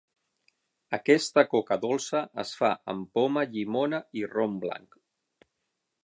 Aquesta coca dolça es fa amb poma, llimona i rom blanc.